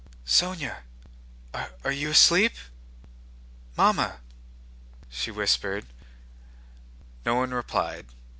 "Sónya, are you asleep? Mamma?" she whispered. No one replied.